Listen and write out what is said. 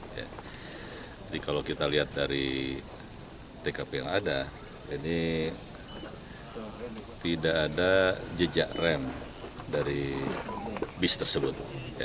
jadi kalau kita lihat dari tkp yang ada ini tidak ada jejak rem dari bis tersebut